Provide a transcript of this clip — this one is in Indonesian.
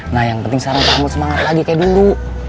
nah yang penting sekarang bangun semangat lagi kayak dulu